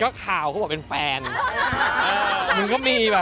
ต้องบอกด้วยหรอว่ามีเพื่อนอีกคนไม่ได้คบกัน